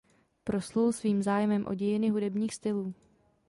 Proslul svým zájmem o dějiny hudebních stylů.